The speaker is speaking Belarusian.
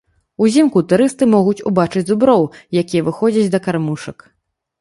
Узімку турысты могуць убачыць зуброў, якія выходзяць да кармушак.